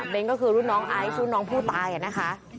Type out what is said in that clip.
เป็นก็คือรุ่นน้องไอซ์รุ่นน้องผู้ตายนะคะ